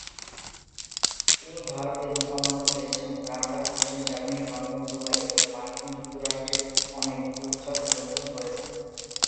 তিনি ভারত এবং অন্যান্য দেশ যেমন কানাডা, পশ্চিম জার্মানি, লন্ডন, দুবাই এবং মার্কিন যুক্তরাষ্ট্রের অনেক উৎসবে প্রদর্শন করেছেন।